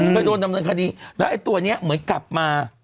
ก็โดนบันกดีแล้วตัวนี้เหมือนกลับมา